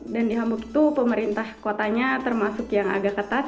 dan di hamburg itu pemerintah kotanya termasuk yang agak ketat